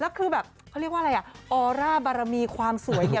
แล้วคือแบบเขาเรียกว่าอะไรอ่ะออร่าบารมีความสวยเนี่ย